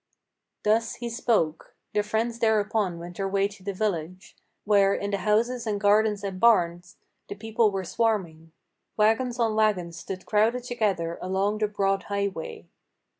Thus he spoke. The friends thereupon went their way to the village, Where, in the houses and gardens and barns, the people were swarming; Wagons on wagons stood crowded together along the broad highway.